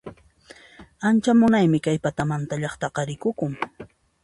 Ancha munaymi kay patamanta llaqtaqa rikukun